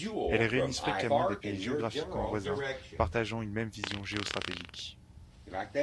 Elles réunissent fréquemment des pays géographiquement voisins, partageant une même vision géostratégique.